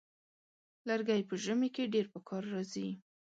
لرګی په ژمي کې ډېر پکار راځي.